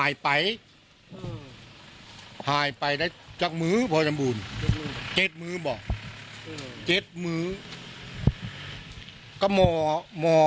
มอตผีมอยาวแล้วเฉิงเวาะคุนก็ต้องน้อยถูกเอาออกมาส่ง